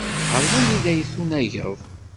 Ɣer wanida ay tunageḍ?